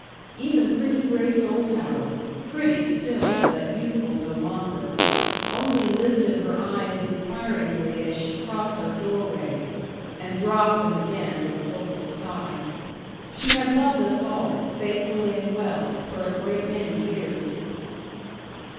Even pretty Grace Oldtower pretty still, but youthful no longer only lifted her eyes inquiringly as she crossed our doorway, and dropped them again with a hopeless sigh. She had loved us all, faithfully and well, for a great many years.